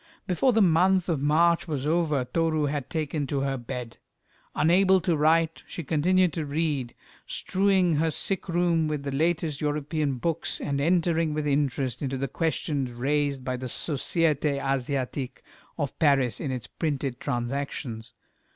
Before the month of March was over, Toru had taken to her bed. Unable to write, she continued to read, strewing her sick room with the latest European books, and entering with interest into the questions raised by the Société Asiatique of Paris in its printed Transactions.